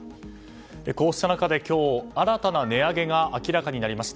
こうした中で今日新たな値上げが明らかになりました。